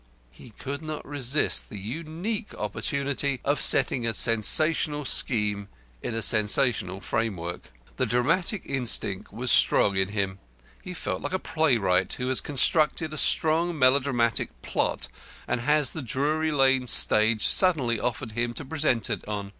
He could not resist the unique opportunity of setting a sensational scheme in a sensational framework. The dramatic instinct was strong in him; he felt like a playwright who has constructed a strong melodramatic plot, and has the Drury Lane stage suddenly offered him to present it on.